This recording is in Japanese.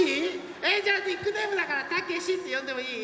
えじゃあニックネームだから「たけし」ってよんでもいい？